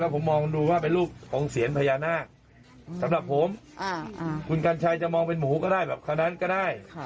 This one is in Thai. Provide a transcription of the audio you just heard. หรือใครจะมองเป็นหมาก็ได้